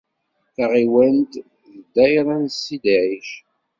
Taɣiwant d ddayra n Sidi Ɛic.